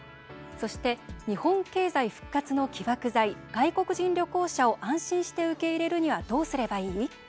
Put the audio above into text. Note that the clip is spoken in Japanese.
そして、日本経済復活の起爆剤外国人旅行者を安心して受け入れるにはどうすればいい？